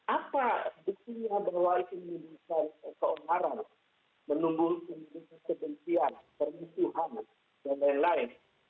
apa dikiranya bahwa itu menimbulkan keonkaran menimbulkan kegensian perlindungan dan lain lain